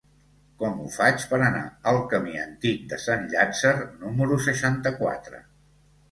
Com ho faig per anar al camí Antic de Sant Llàtzer número seixanta-quatre?